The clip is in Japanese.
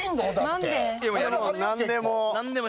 何でも。